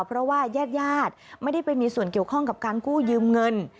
เพราะว่าญาติญาติไม่ได้ไปมีส่วนเกี่ยวข้องกับการกู้ยืมเงิน